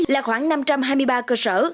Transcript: là khoảng năm trăm hai mươi ba cơ sở